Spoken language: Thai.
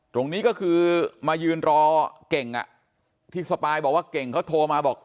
ตรงนี้ก็คือมายืนรอเก่งที่สปายบอกว่าเก่งเขาโทรมาบอก